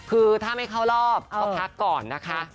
คือถ้าไม่เข้ารอบก็พักก่อนนะคะ